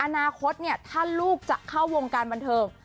อนาคตถ้าลูกจะเข้าวงการบันเทิง